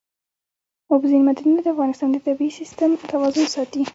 اوبزین معدنونه د افغانستان د طبعي سیسټم توازن ساتي.